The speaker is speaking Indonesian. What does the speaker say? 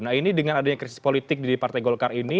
nah ini dengan adanya krisis politik di partai golkar ini